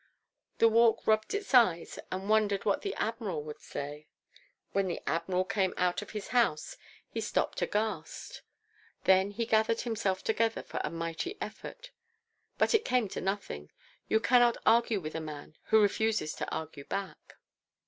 The Walk rubbed its eyes and wondered what the Admiral would say. When the Admiral came out of his house he stopped aghast. Then he gathered himself together for a mighty effort. But it came to nothing: you cannot argue with a man who refuses to argue back.